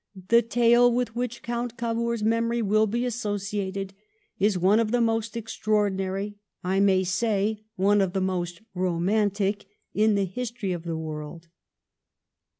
... The tale with which Count Cavour's memory will be associated is one of the most extraordinary —I may say one of* the most romantic in the history of the world.